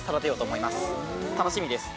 楽しみです。